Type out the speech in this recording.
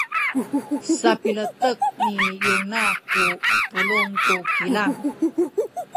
sapiletek ni Yona ku pulung tu kilang.